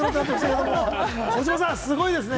児嶋さん、すごいですね！